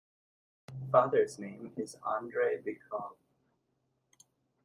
Father's name is Andrey Bychkov.